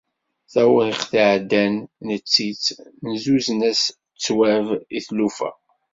Tawriqt i iɛeddan netti-tt nuzen-as ttwab i tlufa.